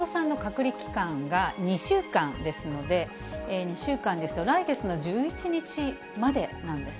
まずは小室さんの隔離期間が２週間ですので、２週間ですと、来月の１１日までなんです。